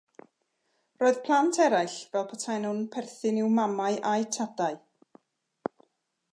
Roedd plant eraill fel petaen nhw'n perthyn i'w mamau a'u tadau.